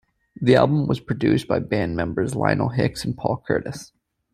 The album was produced by band members Lionel Hicks and Paul Curtis.